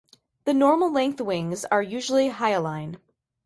The normal length wings are usually hyaline.